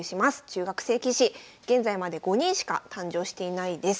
中学生棋士現在まで５人しか誕生していないです。